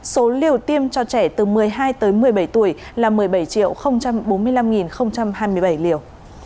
số liều tiêm cho trẻ từ một mươi hai tới một mươi bảy tuổi là một mươi bảy bốn mươi năm hai mươi bảy liều